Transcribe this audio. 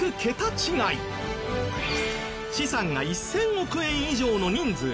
資産が１０００億円以上の人数